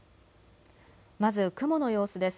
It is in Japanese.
まず雲の様子です。